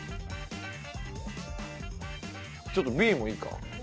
ちょっとＢもいいか？